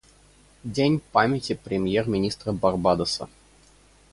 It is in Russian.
Дань памяти премьер-министра Барбадоса.